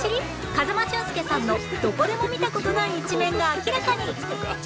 風間俊介さんのどこでも見た事ない一面が明らかに！